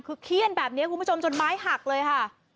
คือเขี้ยนแบบนี้คุณผู้ชมจนไม้หักเลยค่ะ